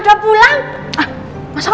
terima kasih pak